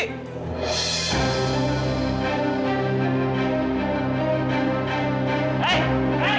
bajak harinya cepet banget shay